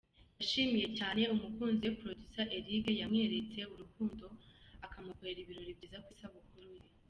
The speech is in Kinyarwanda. Yashimiye cyane umukunzi we producer Eric wamweretse urukundo akamukorera ibirori byiza ku isabukuru ye.